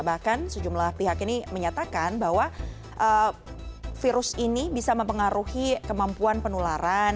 bahkan sejumlah pihak ini menyatakan bahwa virus ini bisa mempengaruhi kemampuan penularan